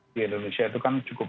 di indonesia itu kan cukup